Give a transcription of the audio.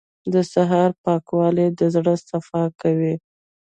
• د سهار پاکوالی د زړه صفا کوي.